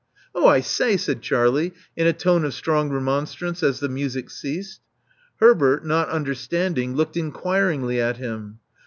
(J)h, I say!'' said Charlie, in a tone of strong remonstrance, as the music ceased. Herbert, not imderstanding, looked inquiringly at him.